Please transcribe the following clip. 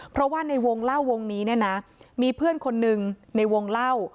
เพราะว่าในวงเล่าวงนี้เนี่ยนะมีเพื่อนคนหนึ่งในวงเล่า